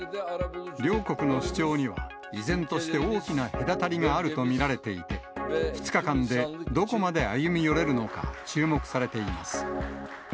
両国の主張には依然として大きな隔たりがあると見られていて、２日間でどこまで歩み寄れるのか、注目されています。